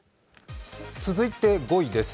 続いて５位です。